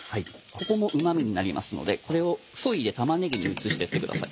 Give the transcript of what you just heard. ここもうま味になりますのでこれをそいで玉ねぎに移してってください。